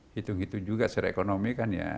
hitung hitung juga secara ekonomi kan ya